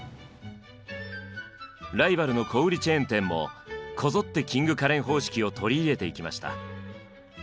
ライバルの小売チェーン店もこぞってキング・カレン方式を取り入れていきました。